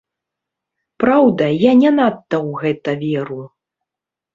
Праўда, я не надта ў гэта веру.